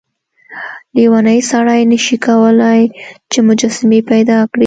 لیونی سړی نشي کولای چې مجسمې پیدا کړي.